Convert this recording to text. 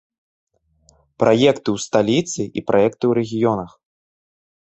Праекты ў сталіцы і праекты ў рэгіёнах.